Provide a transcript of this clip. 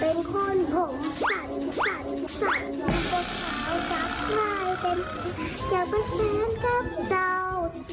แสดงลมตัว